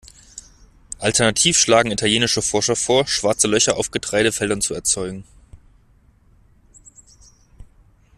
Alternativ schlagen italienische Forscher vor, Schwarze Löcher auf Getreidefeldern zu erzeugen.